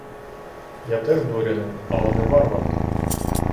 Я теж дворянин, але не варвар!